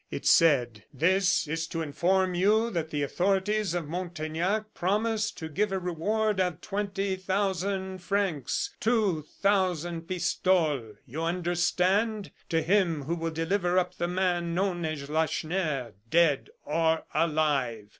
It said: "This is to inform you that the authorities of Montaignac promise to give a reward of twenty thousand francs two thousand pistoles, you understand to him who will deliver up the man known as Lacheneur, dead or alive.